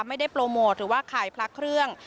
ไม่ได้โปรโมทหรือว่าขายพระเครื่อง